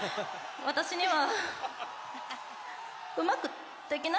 私には。